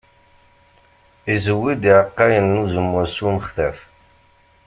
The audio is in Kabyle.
Izewwi-d iɛeqqayen n uzemmur s umextaf.